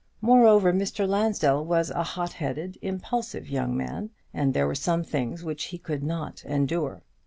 Moreover, Mr. Lansdell was a hot headed, impulsive young man, and there were some things which he could not endure.